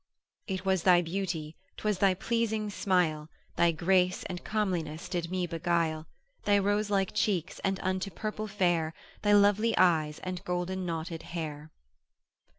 ——— It was thy beauty, 'twas thy pleasing smile, Thy grace and comeliness did me beguile; Thy rose like cheeks, and unto purple fair Thy lovely eyes and golden knotted hair.